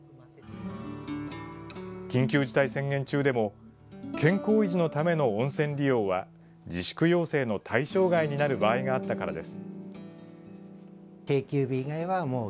緊急事態宣言中でも健康維持のための温泉利用は自粛要請の対象外になる場合があったからです。